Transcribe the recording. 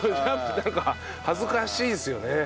なんか恥ずかしいですよね。